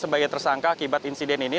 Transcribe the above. sebagai tersangka akibat insiden ini